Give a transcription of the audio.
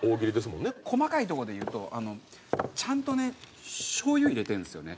細かいとこで言うとちゃんとねしょうゆ入れてるんですよね。